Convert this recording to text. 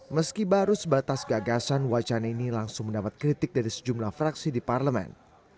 meski baru sebatas gagasan wacana ini langsung mendapat kritik dari sejumlah fraksi di parlemen